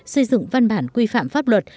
xây dựng văn bản quy phạm pháp luật